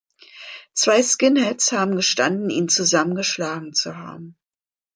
Zwei Skinheads haben gestanden, ihn zusammengeschlagen zu haben.